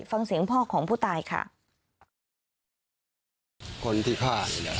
ฟังเสียงพ่อของผู้ตายค่ะ